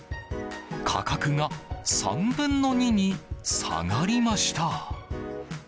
価格が３分の２に下がりました。